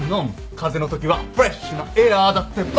風邪のときはフレッシュなエアーだってば。